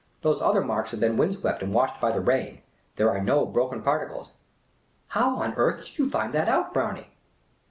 Those other marks have been wind swept and washed by the rain. There are no broken particles." " How on earth did you find that out, Brownie